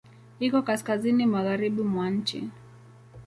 Iko kaskazini magharibi mwa nchi.